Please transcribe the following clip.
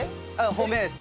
褒めです。